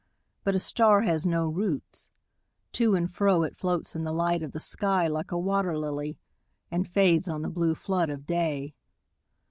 'But a star has no roots : to and fro It floats in the light of the sky, like a wat«r ]ily. And fades on the blue flood of day.